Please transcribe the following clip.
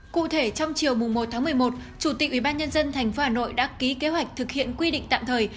cụ thể trong chiều một một mươi một chủ tịch ubnd tp hà nội đã ký kế hoạch thực hiện quy định tạm thời